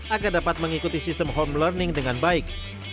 agar dapat mengikuti sistem home learning dengan baik